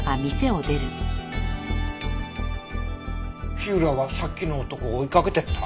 火浦はさっきの男を追いかけていった？